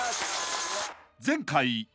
［前回］